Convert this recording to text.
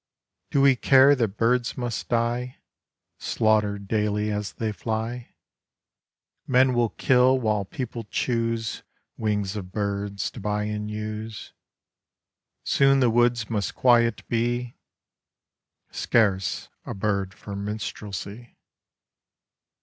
Do we care that birds must die, Slaughtered daily as they fly? Men will kill while people choose Wings of birds to buy and use; Soon the woods must quiet be; Scarce a bird for minstrelsy.